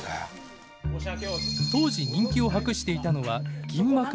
当時人気を博していたのは銀幕のスターたち。